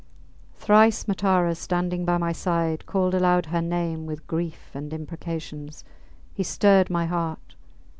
Thrice Matara, standing by my side, called aloud her name with grief and imprecations. He stirred my heart.